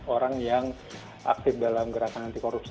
orang yang aktif dalam gerakan anti korupsi